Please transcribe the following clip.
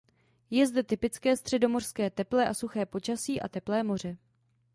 Je zde typické středomořské teplé a suché počasí a teplé moře.